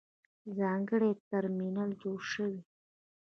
ځانګړی ترمینل جوړ شوی.